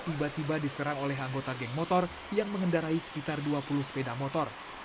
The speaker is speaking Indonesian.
tiba tiba diserang oleh anggota geng motor yang mengendarai sekitar dua puluh sepeda motor